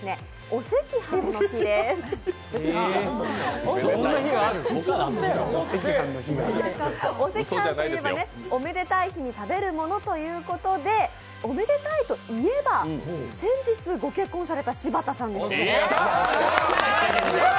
お赤飯といえばおめでたい日に食べるものということでおめでたいといえば、先日ご結婚された柴田さんですよね。